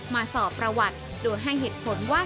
มาสอบประวัติโดยให้เหตุผลว่า